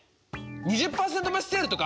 ２０％増しセールとか？